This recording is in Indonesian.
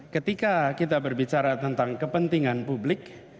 ketika kita berbicara tentang kepentingan publik